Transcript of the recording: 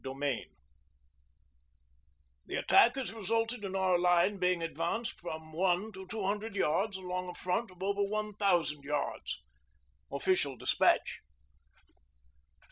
THE ADVANCE '_The attack has resulted in our line being advanced from one to two hundred yards along a front of over one thousand yards._' OFFICIAL DESPATCH.